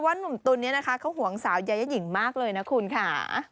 หนุ่มตุ๋นนี้นะคะเขาห่วงสาวยายาหญิงมากเลยนะคุณค่ะ